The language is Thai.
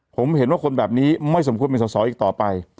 ผมเห็นว่าคนแบบนี้ไม่สมควรเป็นสอสออีกต่อไป